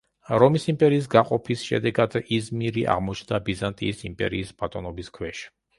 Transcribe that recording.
რომის იმპერიის გაყოფის შედეგად იზმირი აღმოჩნდა ბიზანტიის იმპერიის ბატონობის ქვეშ.